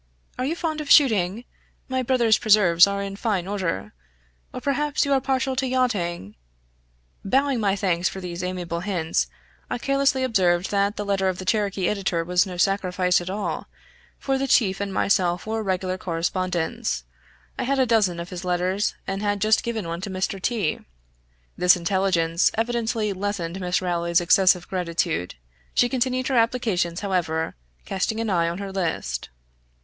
Are you fond of shooting? My brother's preserves are in fine order or perhaps you are partial to yachting " Bowing my thanks for these amiable hints, I carelessly observed that the letter of the Cherokee editor was no sacrifice at all, for the chief and myself were regular correspondents; I had a dozen of his letters, and had just given one to Mr. T . This intelligence evidently lessened Miss Rowley's excessive gratitude. She continued her applications, however, casting an eye on her list.